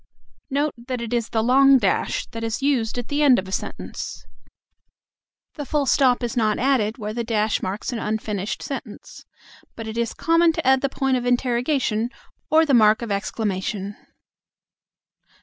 Note that it is the long dash that is used at the end of a sentence. The full stop is not added where the dash marks an unfinished sentence. But it is common to add the point of interrogation or the mark of exclamation.